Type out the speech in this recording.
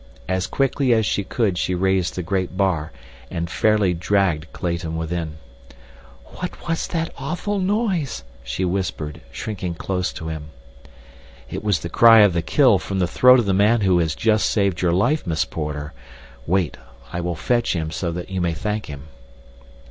As quickly as she could she raised the great bar and fairly dragged Clayton within. "What was that awful noise?" she whispered, shrinking close to him. "It was the cry of the kill from the throat of the man who has just saved your life, Miss Porter. Wait, I will fetch him so you may thank him."